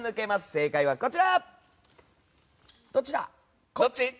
正解は、こちら。